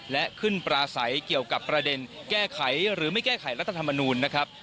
และขึ้นปราศัยเกี่ยวกับประเด็นแก้ไขหรือไม่แก้ไขรัฐธรรมนูลนะครับ